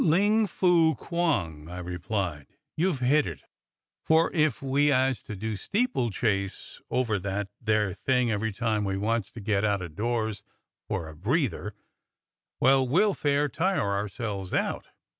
"*Ling Fu Quong,' I replied, 'you've hit it, for if we 'as to do steeplechase over that there thing every time we wants to get out o' doors for a breather, well, we'll fair tire ourselves out.'